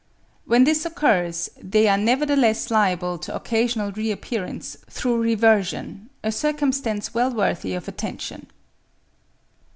When this occurs, they are nevertheless liable to occasional reappearance through reversion—a circumstance well worthy of attention.